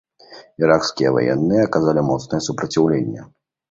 Іракскія ваенныя аказалі моцнае супраціўленне.